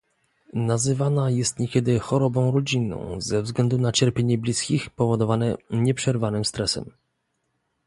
Nazywana jest niekiedy chorobą rodzinną ze względu na cierpienie bliskich powodowane nieprzerwanym stresem